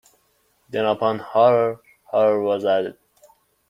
Then upon horror, horror was added.